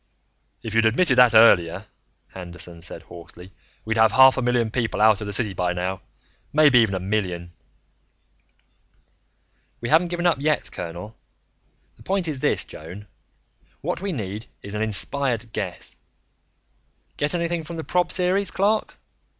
"If you'd admitted that earlier," Anderton said hoarsely, "we'd have half a million people out of the city by now. Maybe even a million." "We haven't given up yet, colonel. The point is this, Joan: what we need is an inspired guess. Get anything from the prob series, Clark?